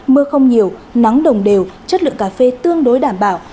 mưa không nhiều nắng đồng đều chất lượng cà phê tương đối đảm bảo